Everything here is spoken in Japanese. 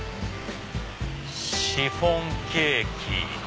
「シフォンケーキ」。